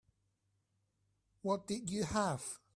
What did you have?